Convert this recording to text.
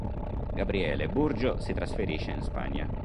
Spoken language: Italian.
Gabriele Burgio si trasferisce in Spagna.